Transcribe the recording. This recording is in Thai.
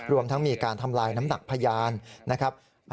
รวมทั้งมีการทำลายน้ำหนักพยานนะครับ